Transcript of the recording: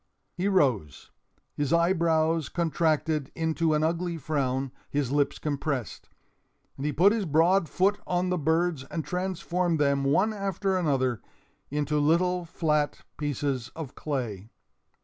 He rose, his eyebrows contracted into an ugly frown, his lips compressed. And he put his broad foot on the birds and transformed them, one after another, into little flat pieces of clay.